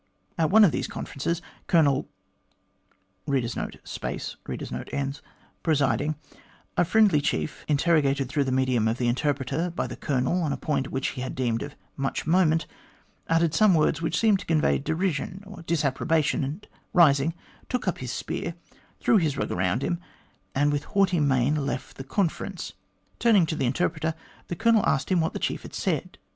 At one of those conferences, Colonel presiding, a friendly chief, interrogated through the medium of the interpreter by the Colonel on a point which he deemed of much moment, uttered some words which seemed to convey derision or disapprobation, and rising, took up his spear, threw his rug around him, and with haughty mien left the conference. Turning to the interpreter, the Colonel asked him what the chief had said.